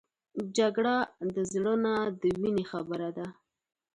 جګړه د زړه نه د وینې خبره ده